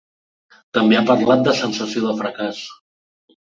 També ha parlat de sensació de fracàs.